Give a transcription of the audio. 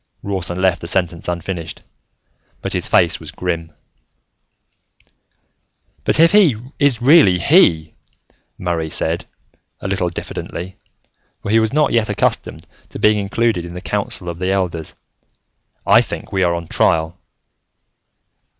Rawson left the sentence unfinished, but his face was grim. "But if he is really He," Murray said, a little diffidently, for he was not yet accustomed to being included in the council of the elders, "I think we are on trial."